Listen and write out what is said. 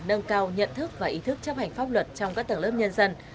nâng cao nhận thức và ý thức chấp hành pháp luật trong các tầng lớp nhân dân